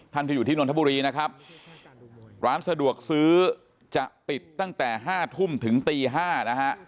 ท่านที่อยู่ที่นนทบุรีนะครับร้านสะดวกซื้อจะปิดตั้งแต่ห้าทุ่มถึงตี๕นะฮะ